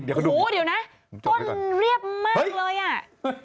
โหว๊เดี๋ยวนะต้นเรียบมากเลยอะ